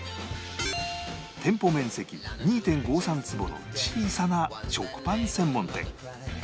店舗面積 ２．５３ 坪の小さな食パン専門店